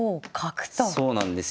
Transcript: そうなんですよ。